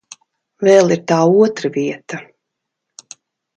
Vēl ir tā otra vieta.